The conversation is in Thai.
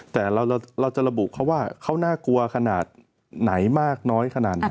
แต่เราจะระบุเขาว่าเขาน่ากลัวขนาดไหนมากน้อยขนาดไหน